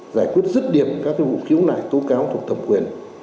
giải quyết rất điểm các vụ cứu lại tố cáo thuộc tầm quyền